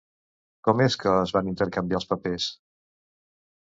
Com és que es van intercanviar els papers?